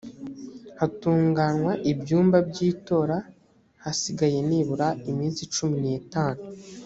hatunganywa ibyumba byitora hasigaye nibura iminsi cumi n itanu